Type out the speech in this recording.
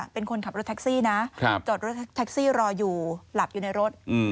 เป็นคนขับรถทักซี่น่ะครับจอดรถทักซี่รออยู่หลับอยู่ในรถอืม